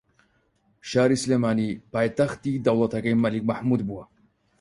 شاری سلێمانی پایتەختی دەوڵەتەکەی مەلیک مەحموود بووە